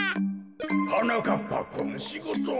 はなかっぱくんしごとは？